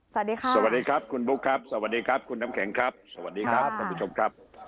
สวัสดีครับสวัสดีครับคุณบุ๊คครับสวัสดีครับคุณน้ำแข็งครับ